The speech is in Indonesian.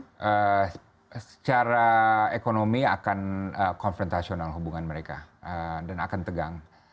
jadi secara ekonomi akan konfrontasional hubungan mereka dan akan tegang